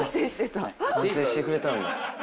反省してくれたんだ。